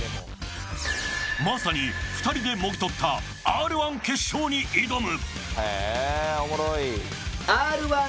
まさに、２人でもぎ取ったＲ−１決勝に挑む。